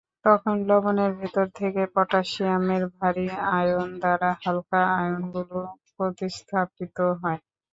তখন লবণের ভেতর থেকে পটাশিয়ামের ভারী আয়ন দ্বারা হালকা আয়নগুলো প্রতিস্থাপিত হয়।